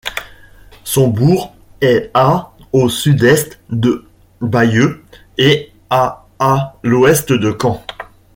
Son bourg est à au sud-est de Bayeux et à à l'ouest de Caen.